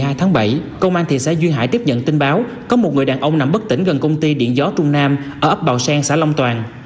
theo hồ sơ tối ngày một mươi hai tháng bảy công an thị xã duyên hải tiếp nhận tin báo có một người đàn ông nằm bất tỉnh gần công ty điện gió trung nam ở ấp bào sang xã long toàn